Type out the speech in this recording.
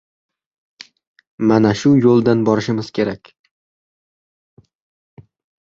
Mana shu yo‘ldan borishimiz kerak.